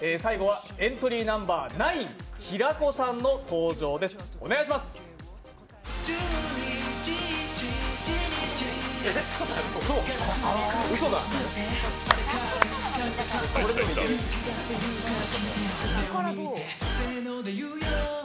エントリーナンバー９平子さんの登場です、どうぞ。